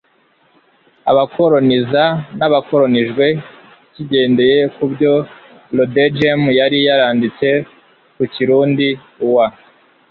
abakoroniza n'abakoronijwe. kigendeye ku byo rodegem yari yaranditse ku kirundi. uwa